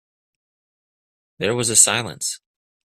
There was a silence.